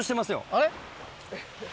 あれ？